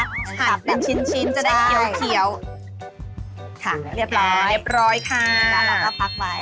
ซับเป็นชิ้นจะได้เขียวค่ะเรียบร้อยค่ะเรียบร้อยค่ะแล้วก็ปั๊กไว้